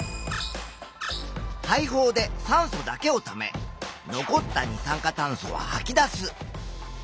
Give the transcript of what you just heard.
肺胞で酸素だけをため残った二酸化炭素ははき出す。